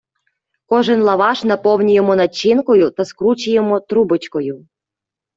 Кожен лаваш наповнюємо начинкою та скручуємо трубочкою.